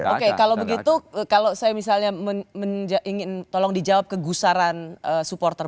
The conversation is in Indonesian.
oke kalau begitu kalau saya misalnya ingin tolong dijawab kegusaran supporter